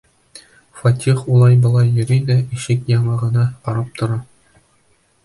Фәтих улай-былай йөрөй ҙә ишек яңағына ҡарап тора.